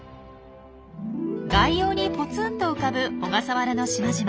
外洋にポツンと浮かぶ小笠原の島々。